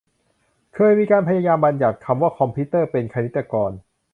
เคยมีการพยายามบัญญัติคำว่าคอมพิวเตอร์เป็นคณิตกร